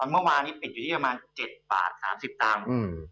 เมื่อวานนี้ปิดอยู่ที่๗๓๐บาท